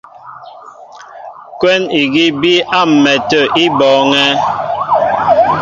Kwɛ́n igi í bííy á m̀mɛtə̂ í bɔɔŋɛ́.